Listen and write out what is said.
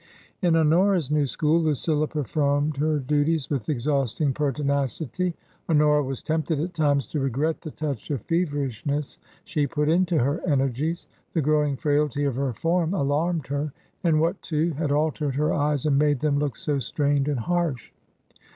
In Honora's new school Lucilla performed her duties with exhausting pertinacity. Honora was tempted at times to regret the touch of feverishness she put into her energies ; the growing frailty of her form alarmed her, and what, too, had altered her eyes and made them look so strained and harsh